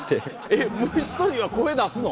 えっ虫取りは声出すの？